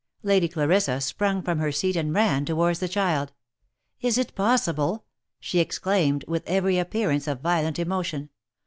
Lady Clarissa sprung from her seat and ran towards the child. " Is it possible !" she exclaimed, with every appearance of violent emotion.